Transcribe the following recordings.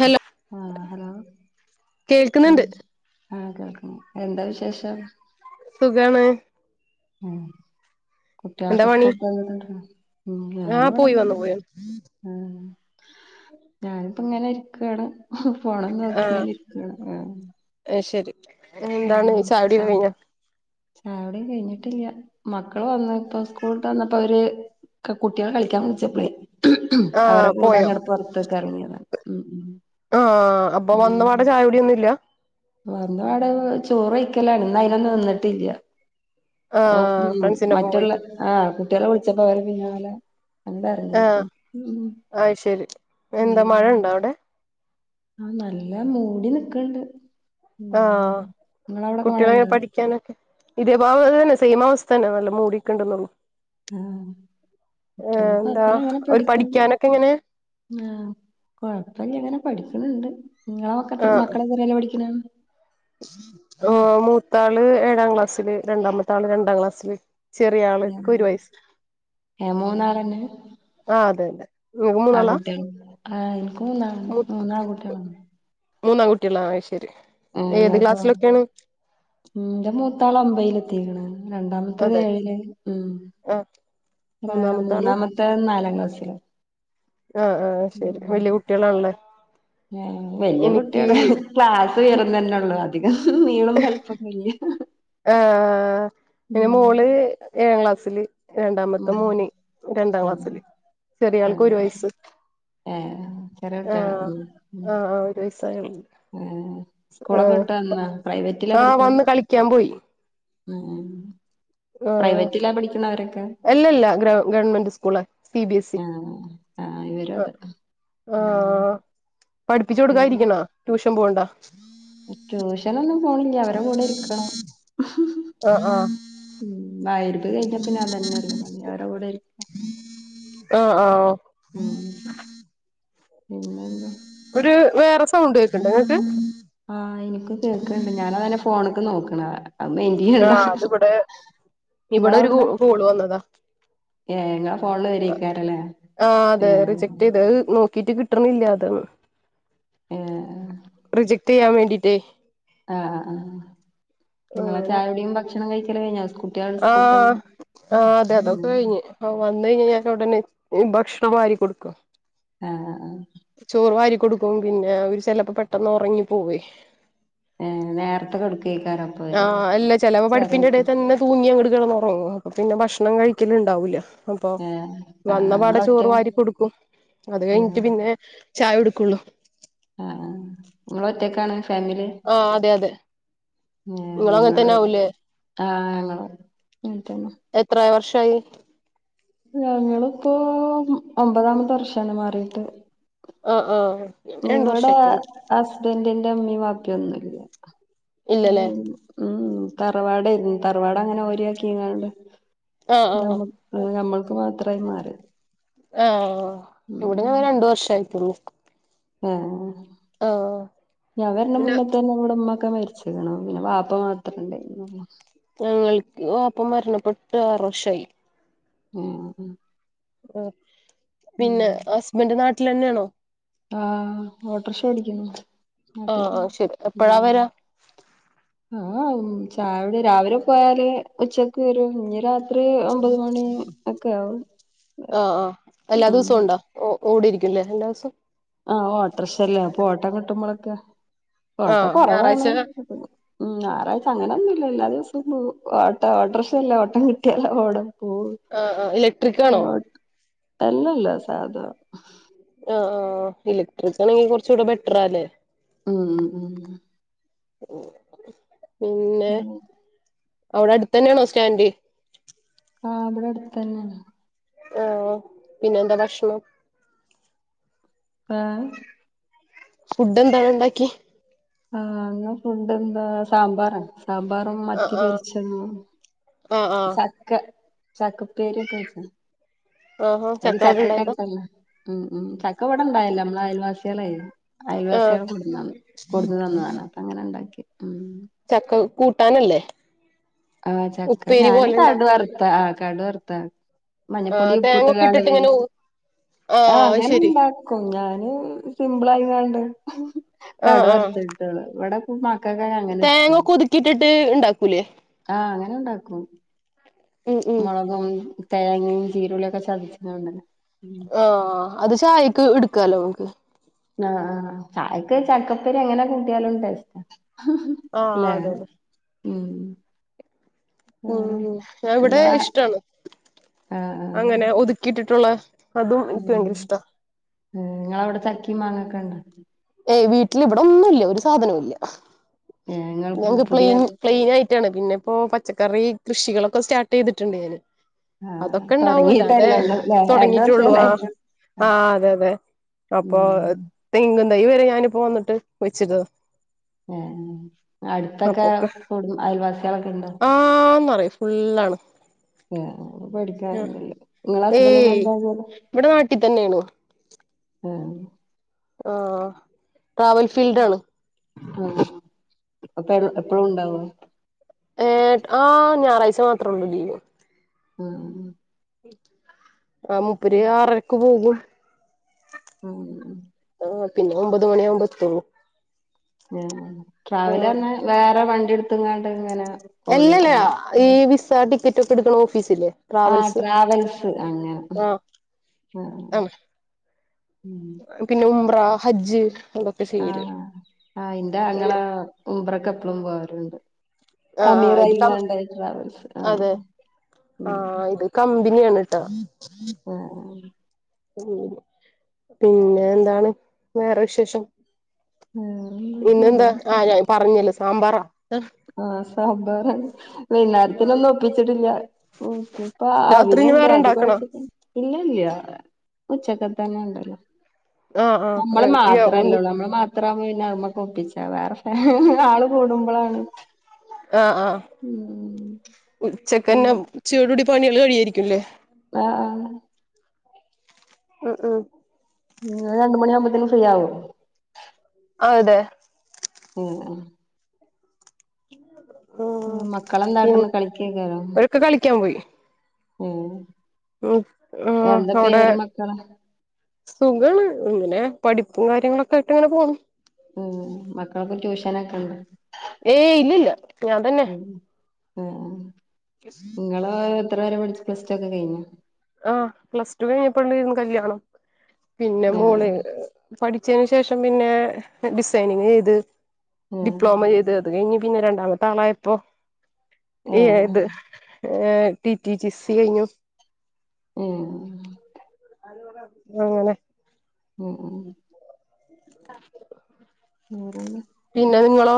Hello ആഹ് hello കേൾക്കുന്നുണ്ട് ആഹ് കേൾക്കുന്നു എന്താ വിശേഷം സുഖാണ് ഉം എന്താ കുട്ടിയോളെക്കെ പണി സ്കൂ ആ ഞാനിവിട പോയി വന്നു ഉണ്ട് പോയി വന്നു ഉം ഞാനിപ്പോ ഇങ്ങനെ ഇരിക്കാണ് ഫോണും നോക്കി ഇങ്ങനെ ഇരിക്കാണ് ഏഹ് ആഹ് ശരി എന്താണ് ചായകുടി ഒക്കെ കഴിഞ്ഞോ ഉം ചായ കുടി കഴിഞ്ഞിട്ടില്ല മക്കള് വന്ന ഇപ്പോ സ്കൂള് വിട്ട് വന്നിട്ട് ഓര് കുട്ടികൾ കളിക്കാൻ വിളിച്ചപ്പളേ ഉം ആ അവരെടെ കൂടെ പോയോ അങ്ങടെ പുറത്തുക്ക് ഇറങ്ങിയതാണ് ഉം ഉം ആഹ് അപ്പൊ വന്ന പാടെ ചായ കുടിയൊന്നുല്ല വന്ന പാടെ ചോറ് കഴിക്കലാണ് ഇന്ന് അയിനൊന്നും നിന്നിട്ടില്ല ആ ഉം ഫ്രണ്ട്സിന്റൊപ്പം പോയി മറ്റുള്ള ആഹ് കുട്ടിയളെ വിളിച്ചപ്പോ അവരെ പിന്നാലെ അങ്ങട് ആഹ് എറങ്ങീക്ക്ണ് ആത് ശരി എന്താ മഴ ഉണ്ടോ അവിടെ ആഹ് നല്ല മൂടി നിക്കണ്ട് ഉം നിങ്ങളവിടൊക്കെ മഴ ഉണ്ടോ ക്കാനൊക്കെ ഇതേപ അത് തന്നെ സെയിം അവസ്ഥ തന്നെ നല്ല മൂടിക്കണ്ടന്നള്ളു ആഹ് ഏ കുട്ട്യാള് എന്താ കൊഴപ്പല്ല ഒരു പഠിക്കാനൊക്കെ എങ്ങനെ ആ കുഴപ്പില്ല അങ്ങനെ പഠിക്കുന്നുണ്ട് നിങ്ങളക്കെ എത്ര മക്കളെ എത്രല്ലോ പഠിക്കണാണ് ഓ മൂത്താള് ഏഴാം ക്ലാസ്സില് രണ്ടാമത്താള് രണ്ടാം ക്ലാസ്സില് ചെറിയ ആള്ക്ക് ഒരു വയസ് ഏ മൂന്നാളെന്നെ ആഹ അതെതെ ആൺ കുട്ടികള് ആ എനിക്ക് മൂന്ന മൂ മൂന്നാൺകുട്ടികളാണ് മൂന്നാൺ കുട്ടികളാ അത്ശരി ഏത് ക്ലാസ്സിലൊക്കെയാണ് ഉന്റെ മൂത്താള് ഒമ്പതിൽ എത്തിക്കണ് രണ്ടാമത്തത് അതെ ഏഴില് ഉം ആഹ് മൂന്നാമത്തെ ത നാലാം ക്ലാസില് ആഹ ആഹ ശരി വല്യ കുട്ടികളാണല്ലേ വല്യ എനിക്ക് കുട്ടികള് ക്ലാസ് വരുന്ന തന്നെ ഉള്ളു അ അധികം നീളം വലിപ്പൊന്നുമില്ല ആ പിന്നെ മോള് ഏഴാം ക്ലാസ്സില് രണ്ടാമത്തെ ഉം മോന് രണ്ടാം ആഹ് ക്ലാസ്സില് ചെറിയ ആൾക്ക് ഒരു വയസ് ഏ ചെറ കുട്ടിയാണ് ഉം ആഹ് ആഹ് ഒരു വയസ്സായൊള്ളൂ സ്കൂളൊക്കെ വിട്ടു വന്ന പ്രൈവറ്റിലാ ആഹ് പഠിക്കണ് വന്ന് കളിക്കാൻ പോയി ഉം ആ പ്രൈവറ്റിലാ പഠിക്കണെ അവരൊക്കെ എല്ലല്ല ഗ government school C B S E ആഹ ഇവരു അതെ ഉം ആഹ് പഠിപ്പിച്ചു കൊടുക്കാൻ പിന്നെ ഇരിക്കണ ട്യൂഷൻ പോവ്ണ്ടോ ട്യൂഷനൊന്നും പോണില്ല അവരെ കൂടെ ഇരിക്കണം ആഹ് ആഹ് ഉം മഹരിബ് കഴിഞ്ഞ പിന്നെ ഞാൻ തന്നെ അവരടെ കൂടെ ഇരിക്ക ആ ആ ഉം പിന്നെന്താ ഒരു വേറെ സൗണ്ട് കേക്കണ്ട് ഇങ്ങക്ക് ആഹ് എനിക്കും കേൾക്കണ്ട് ഞാന താണെ ഫോണൊക്കെ നോക്കണത് അത് മൈന്റ് ചെയ്യണ്ട ആഹ് അത് ഇവടെ ഇവിടെ ഒരു ഇങ്ങളവ്ട്ന്ന് കോള് വന്നതാ ഏഹ് ഇങ്ങളെ ഫോണില് വരേക്കാരല്ലേ ആ അതെ ഏഹ് റിജക്ട് ചെയ്തു മ് ടിക്കറ്റ് കിട്ടണില്ല അതന്ന് ഏ റിജക്ട് ചെയ്യാൻ വേണ്ടിയിട്ടേ ആഹ ആ നിങ്ങളെ ചായടിയും ഭക്ഷണം കഴിക്കലൊക്കെ കഴിഞ്ഞ ആഹ ആ അതെ അതൊക്കെ ഉം കഴിഞ്ഞ് ആ വന്ന കഴിഞ്ഞാ ഞാനവിടന്നെ ഭക്ഷണം വാരി കൊടുക്കോ ആഹ ആ ചോറ് വാരി കൊടുക്കും പിന്നെ അവര് ചെലപ്പോ പെട്ടന്ന് ഉറങ്ങി പോവേ ഏ നേരത്തെ കെടുക്കയിക്കാരോ ആഹ് അല്ല ചിലവ് പഠിപ്പിന്റെടേൽ തന്നെ തൂങ്ങിയങ്ങടു കിടന്ന് ഉറങ്ങും അപ്പൊ പിന്നെ ഭക്ഷണം കഴിക്കല ഉണ്ടാവില്ല അപ്പൊ ഏഹ് ആഹ് വന്നപാടെ ഇങ്ങളൊറ്റ ചോറ് വാരി കൊടുക്കും അത് ഉം കഴിഞ്ഞിട്ട് ആഹ് പിന്നെ ചായ കൊടുക്കുള്ളൂ ആഹ നിങ്ങള ഒറ്റക്കാണ് ഫാമിലി ആ അതെ അതെ നിങ്ങള് അങ്ങനെ ങ്ങ തന്നെ ആവൂലേ ആഹ ഞങ്ങന്ന എത്ര വർഷായി ഞങ്ങളിപ്പോ ഒമ്പതാമത്തെ വർഷാണ് മാറിട്ട് ആഹ് ആഹ് ഞാൻ രണ്ട് വർഷായിട്ടുള്ളു ഹസ്ബൻഡന്റെ മ്മീം വാപ്പിയൊന്നുല്ല ഇല്ലല്ലേ [unintelligible] ഉം തറവാടേഞ് തറവാടങ്ങനെ ഓഹരിയാക്കിംങ്ങാണ്ട് ആഹ് ആഹ് ഞമ്മ ആഹ് ഞമ്മൾക്ക് മാത്രായി മാറി ആഹ് ഓഹ് ഇവിടെ ഞങ്ങള് രണ്ട് വർഷേ ആയിട്ടുള്ളൂ ഉം ആഹ് ഞാൻ വരണ പിന്നെ മുന്നെത്തന്നെ ഇവിടുമ്മൊക്കെ മരിച്ചിക്ണു പിന്നെ വാപ്പ മാത്രേ ഇണ്ടായിരുന്നുളളു ഞങ്ങൾക്ക് വാപ്പ മരണപ്പെട്ടിട്ട് ആറു വർഷായി ഉം ഉം ഉം പിന്നെ ഹസ്ബൻറ് നാട്ടിലന്നെണോ ആഹ് ഓട്ടർഷാ വടിക്ണ് ആഹ് ആഹ് ശെരി എപ്പഴാ വര്വാ ആഹ് ഉം ചായോടി രാവിലെ പോയാല് ഉച്ചക്ക് വരും ഇനി രാ ഒര് ഒമ്പത് മണി ഒക്കെ ആവും ആഹ് ആഹ് എല്ലാ ഉം ദിവസവും ഉണ്ടോ ഓ ഓടിരിക്കുലേ എല്ലാസോം ആഹ് ഓട്ട്രക്ഷല്ലേ അപ്പൊ ഓട്ടം കിട്ടുമ്പളൊക്കെ ഓട്ടം ആഹ് കൊറവാണ് ഞായറാഴ്ച ഉം ഞായറാഴ്ച അങ്ങനൊന്നുല്ല എല്ലാ ദിവസോം പോവും ഓട്ട ഓട്ട്രഷല്ലേ ഓട്ടം കിട്ടിയാല് ഓടും പോവും ആഹ് ആഹ് ഇലക്ട്രിക് ആണോ അല്ലല്ല സാധാ ആഹ് ആഹ് ഇലക്ട്രിക് ആണെങ്കി കൊറച്ചൂടെ ബെറ്ററാല്ലേ ഉം ഉം ഉം പിന്നെ ഉം. അവിടടുത്ത് തന്നെണോ സ്റ്റാൻഡ് ആഹ് ഇവിടടുത്തന്നെയാണ് ആഹ് പിന്നെന്താ ഭക്ഷണം ഏഹ് ഫുഡെന്താണ് ഇണ്ടാക്കിയെ ആഹ് ഇന്ന് ഫുഡെന്താ സാമ്പാറാണ് സാമ്പാറും ആഹ് മത്തി ആഹ് പൊരിച്ചതും ആഹ് ആഹ് ചക്ക ചക്കുപ്പേരിയൊക്കെ വെച്ച്ണ് ആഹാ ങ്ങക്ക് ചക്ക അവിടെ ചക്കയൊക്കെ ഉണ്ടായതാ ഇണ്ടല്ലെ ഉം ഉം ചക്ക ഇവടൊണ്ടായെല്ല നമ്മള അയൽവാസ്യള് ആഹ് അയൽവാസ്യള് കൊട്ന്നാണ് കൊട്ന്നന്നാണ് അങ്ങനെണ്ടാക്കി ഉം ചക്ക കൂട്ടാനല്ലേ ആഹ് ചക്ക ഉപ്പേരി ഞാന് പോലെ ഉണ്ടാക്കും കടുവറത്താ ആഹ് കടു വറത്താ ആഹ് മഞ്ഞപ്പൊടിം ഉപ്പൂട്ട് തേങ്ങൊക്കെ കാണ്ട് ഇട്ടിട്ട് ഇങ്ങനെ വേവിച്ച് ആഹ് അങ്ങനെണ്ടാ ക്കും ഞാന് സിമ്പിൾ ആയിങ്ങാണ്ട് ആഹ് കടു ആഹ് വറത്തിട്ട് ഇവിടെ പ്പൊ മക്കക്കൊക്കെ അങ്ങനാ ഇഷ്ടം ഇതിട്ട് ഇണ്ടാക്കൂലേ ആഹ് അങ്ങനെണ്ടാക്കും ഉം ഉം മൊളകും തേങ്ങയും ജീനുളളിയൊക്കെ ചതച്ചിങ്ങാണ്ട് ഓഹ് അത് ചായക്ക് എടുക്കാലോ മക്ക് ന ആഹ് ചായക്ക് ചക്കുപ്പേരി അങ്ങനെ കൂട്ടിയാലും ടെ ആഹ് ഇല്ലേ അതെ അതെ ഉം ഉം വേറെ ഞാവിടെ ഇങ്ങളെ ഇഷ്ടാണ് ആഹ് അങ്ങനെ ആഹ് ഒതുക്കിട്ടിട്ടുള്ള ഉം ങ്ങളവടെ ചക്കിം മാങ്ങയൊക്കെ ണ്ടോ ഏയ് വീട്ടില് ഇവിടെ ഒന്നുല്ല ഒരു സാധനോം ല്ല ഏഹ് ഇങ്ങൾ ഞങ്ങക്ക് ക്ലീൻ പുതിയ ക്ലീനായിട്ട് ട്ടാണ് പിന്നിപ്പോ പച്ചക്കറി കൃഷികളൊക്കെ സ്റ്റാർട്ട് ചെയ്തിട്ട്ണ്ട് ഞാന് ആഹ് അതൊക്കെ ണ്ടാവല്ലോ അത് തൊടങ്ങിട്ടല്ലേ ഒള്ളൂ ല്ലേ രണ്ട് തൊടങ്ങീട്ടൊള്ളു ആ വർഷല്ലായിട്ടുള്ളൂ ആ അതെയതെ അപ്പൊ ഉം തെങ്ങുംതൈ വെരെ ഞാനിപ്പോ വന്നിട്ട് വെച്ച്ക്ക ആ ആ അട്ത്തൊക്കെ കുടും അയൽവാസികളൊക്കെ ണ്ടോ ആന്നറിയും ഫുള്ളാണ് ആ പഠിക്കാന്ണ്ട്ല്ലേ ങ്ങളെ ഏയ് ഹസ്ബന്റ്നെന്താ ജോലി ഇവിടെ നാട്ടിൽ തന്നെയാണ് ആ ആഹ് ട്രാവൽ ഫീൽഡാണ് ആ അപ്പം എപ്പളും ണ്ടാവോ ഏഹ് ആ ഞാറാഴ്ച മാത്രൊള്ളു ലീവ് ഉം ഉം ആ മുപ്പര് ആറരക്ക് പോകും ഉം ഉം ആ പിന്നെ ഒമ്പത് മണിയാവുമ്പോ എത്തൊള്ളു ഞാന് ആഹ് ട്രാവല്ർഞ്ഞാ വേറെ വണ്ടി ട്ത്ത്ങ്ങാണ്ട് ങ്ങനെ അല്ലല്ല ഈ വിസ ടിക്കറ്റൊക്കെട്ക്ക്ണ ഓഫീസില്ലെ ആ ട്രാവൽസ് അങ്ങനെ ആഹ് ആ ആണ് ഉം പിന്നെ ഉംറ ഹജ്ജ് ചെയ്യല് ആഹ് ആ ഇന്റെ ആങ്ങള അങ്ങനെ ഉംറക്ക് എപ്പളും പോവല്ണ്ട് ആഹ് ആഹ് ഇത് കം അമീറായിങ്ങാണ്ട് അത് ട്രാവൽസ് ആഹ് ഉം കമ്പിനിയാണ് ട്ടോ ആ ഉം പിന്നെന്താണ് വേറെ വിശേഷം വേറെന്താ നല്ല ഇന്നെന്താ ആഹ് വിശേഷം ഞാൻ പറഞ്ഞല്ലോ സാമ്പാറാ ആ സാമ്പാറാണ് വൈന്നേരത്തിന് ഒന്നും ഒപ്പിച്ചിട്ടില്ല നോക്യപ്പോ രാത്രി ഇനി അവില്ണ്ട് വേറെ അത് ഇണ്ടാക്കണോ കൊയച്ച്ക്ക്ണ് ഇല്ല ല്ല ഉച്ചക്കത്തെന്നെ ണ്ടല്ലോ ആഹ് നമ്മള് ആഹ് യ ഒന്ന് മാത്രല്ലേള്ളൂ നമ്മളെ മക്ക ത്രാവുമ്പോ പിന്നെ നമ്മക്കൊപ്പിച്ചാ വേറെ ഫാ ആള് കൂടുമ്പളാണ് ആഹ് ആഹ് ഉം ഉച്ചക്കെന്നെ ഉച്ചയോട് കൂടി പണികള് കഴിയായിരിക്കും ല്ലേ ആ ആ ഉം ഉം നിങ്ങള് രണ്ടു മണിയാവുമ്പത്തിനും ഫ്രീയാവോ ആ ഇതെ അ ആ [inaudible] ആ പിൻ മക്കളെന്താട്ട്ണ് കളിക്കേക്കാരം അവരൊക്കെ കളിക്കാൻ പോയി എ ഉം ആ അവടെ സുഖണ് ഇങ്ങനെ പഠിപ്പും കാര്യങ്ങളൊക്കായിട്ട് ഇങ്ങനെ പോണ് ഉം മക്കൾക്ക് ട്യൂഷനൊക്കെണ്ടോ ഏയ് ഇല്ലല്ല ഞാൻ തന്നെ ആ ആ ഇങ്ങള് എത്ര വരെ പഠിച്ചു പ്ലസ് റ്റു ഒക്കെ കഴിഞ്ഞോ ആഹ് പ്ലസ് ടു കഴിഞ്ഞപ്പണ്ടേന്നു കല്ല്യാണം പിന്നെ ആഹ് മോള് പഠിച്ചയിന് ശേഷം പിന്നെ ഡിസൈനിംഗ് ചെയ്ത് ആഹ് ഡിപ്ലോമ ചെയ്ത് അത് കഴിഞ്ഞ് പിന്നെ രണ്ടാമത്തെ ആളായപ്പോ ഏഹ് ഏത് ഏ ടി റ്റി ടി സി കഴിഞ്ഞു ഉം അങ്ങനെ ഉം ഉം [inaudible] വേറെന്ന പിന്നെ നിങ്ങളോ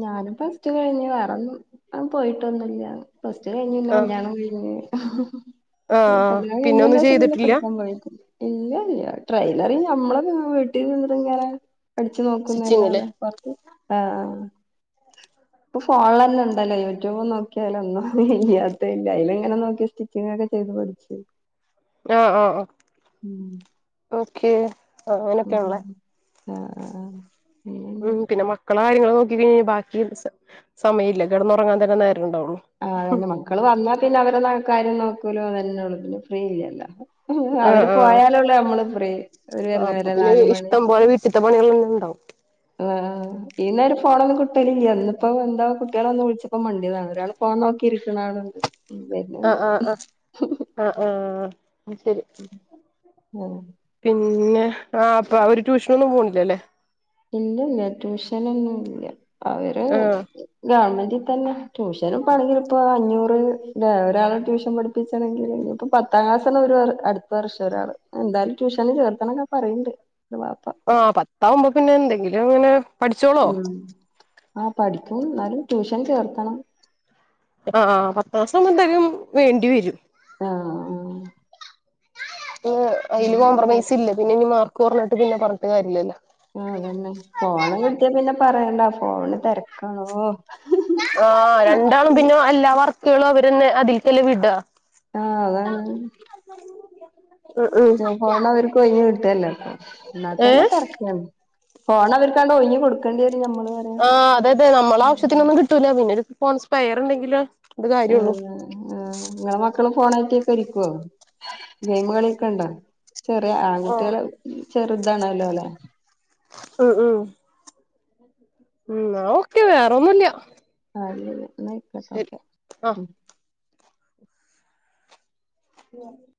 ഞാനും പ്ലസ് ടു കഴിഞ്ഞു വേറൊന്നും അ പോയിട്ടൊന്നില്ല പ്ലസ് ടു കഴിഞ്ഞു പിന്നെ ആഹ് കല്യാണവും കഴിഞ്ഞു ഏയ് ആഹ് കല്യാണം പിന്നെ കഴിഞ്ഞയിന് ഒന്നും ശേഷം പിന്നെ ചെയ്തിട്ടില്ല പഠിക്കാൻ പോയിട്ടില്ല ഇല്ല ഇല്ല ട്രെയിലറി ഞമ്മളെ വീട്ടിയിരുന്ന് ഇങ്ങനെ അടിച്ചു സ്റ്റിച്ചിങ്ങില് നോക്കുന്നല്ലാതെ പുറത്ത് ആഹ് ആഹ് ഇപ്പൊ ഫോണല്ലെ ഇണ്ടല്ലോ യുറ്റുബും നോക്കിയാല ഒന്നും ഇല്ലാത്തതില്ല അതിലങ്ങനെ നോക്കിയ നേക്കികാണ്ട് ചെയ്തു പഠിച്ചു. ആഹ് ആഹ് ആഹ് ഓക്കെ ആ അങ്ങനൊക്കെണല്ലേ. ആഹ് ആഹ് ആഹ് ഉം പിന്നെ മക്കളെ കാര്യങ്ങള് നോക്കി കഴിഞ്ഞ ബാക്കി സമയല്ല കിടന്നുറങ്ങാൻ തന്നെ നേരം ഇണ്ടാവുള്ളു. ആ അതന്നെ മക്കള് വന്നാ പിന്നെ അവരെ കാര്യം നോക്കലും അതന്നെണ ല്ലോ പിന്നെ ഫ്രീ ഇല്ലല്ലോ. ആഹ് അവര് ആഹ് പോയാലള്ളൂ നമ്മള് ഫ്രീ അവര് വരുന്ന വരെ നാല മണി, ചിറ്റ പണികളന്നെ ഉണ്ടാവും. ആ ഈ നേരം ഫോണൊന്നും കിട്ടലില്ല ഇന്നിപ്പോ എന്താ കുട്ടിള് വന്ന് വിളിച്ചപ്പോ മണ്ടിതാ ഒരാൾ ഫോൺ നോക്കിയിരിക്ക്ണ ആഹ് ആഹ് ആഹ് ആഹ് ആഹ് ശരി. ഉം പിന്നെ ആ അപ്പ അവര് ട്യൂഷന ഒന്നും പോണില്ലല്ലേ? ഇല്ലല്ല ട്യൂഷനൊന്നും ഇല്ല അവര് ആഹ് ഗവൺമെന്റിൽ തന്നെ. ട്യൂഷനും പോണെങ്കിൽ ഇപ്പോ അഞ്ഞൂറ്, അല്ല ഒരാള് ട്യൂഷൻ പഠിപ്പിച്ചാണെങ്കിൽ ഇഞ് ഇപ്പ പത്താം ക്ലാസ്സണ് ഒരു അടുത്ത വർഷ ഒരാള്, എന്തായാലും ട്യൂഷന് ചേർത്തണൊക്കെ പറയണ്ട് ഓരെ വാപ്പ. ആഹ് പത്താവുമ്പോ പിന്നെ എന്തെങ്കിലും അങ്ങനെ പഠിച്ചോളോ ഉം ആ പഠിക്കും എന്നാലും ട്യൂഷൻ ചേർത്തണം. ആ പത്ത് മാസം എന്താലും വേണ്ടി വരും. ആഹ് ആഹ് അതില് കോംപ്രമൈസ് ഇല്ല പിന്നെ ഇനി മാർക്ക് പറഞ്ഞിട്ട് പിന്നെ പറഞ്ഞിട്ട് കാര്യല്ലല്ലോ. ആ അതന്നെ ഫോണ് കിട്ടിയാ പിന്നെ പറയണ്ട ഫോണ് തിരക്കാണോ ആ രണ്ടാളും പിന്നെ എല്ലാ വർക്കുകളും അവരന്നെ അതിൽക്കല്ലെ വിടാ. ആഹ് അതാണ് ഉം ഉം ഫോണ് അവർക്ക് ഒഴിഞ്ഞഞ് കിട്ടല്ലോപ്പ എന്നാത്തന്നെ ഏഹ് തിരക്കാണ്. ഫോണ് അവർക്കാണ്ട് ഒഴഞ് കൊടുക്കേണ്ടി വരും നമ്മള് ആഹ് അതെ അതെ നമ്മളെ ആവശ്യത്തിനൊന്നും കിട്ടൂല പിന്നെ ഒരു ഫോൺസ്പയർ ഉണ്ടെങ്കില് അന്ത് കാര്യം ഒള്ളൂ. ആ ഇങ്ങളെ മക്കള് ഫോണായിട്ട് ഒക്കെ ഇരിക്കേ ഗെയിമ് കളി ഒക്കണ്ടോ? ചെറിയ ആഹ് ആൺകുട്ടികളെ ചെറുതാണല്ലോ ല്ലെ, ഉം ഉം ഉം ന്നാ ഓക്കെ വേറൊന്നല്ല [unintelligible] ന്നായിക്കട്ടോ ഓക്കെ ആഹ് ഉ, [unintelligible]